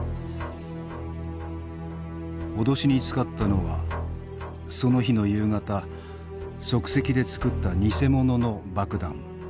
脅しに使ったのはその日の夕方即席で作った偽物の爆弾。